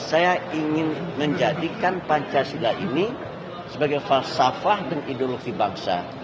saya ingin menjadikan pancasila ini sebagai falsafah dan ideologi bangsa